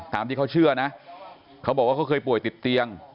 ตามที่เขาเชื่อนะเขาบอกว่าเขาเคยป่วยติดเตียง